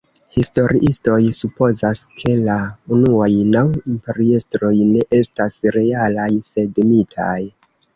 Historiistoj supozas, ke la unuaj naŭ imperiestroj ne estas realaj, sed mitaj.